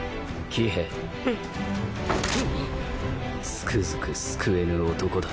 つくづく救えぬ男だ。